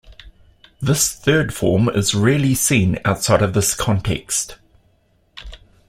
This third form is rarely seen outside of this context.